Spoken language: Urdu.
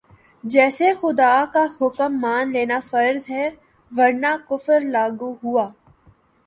جیسے خدا کا حکم مان لینا فرض ہے ورنہ کفر لاگو ہوا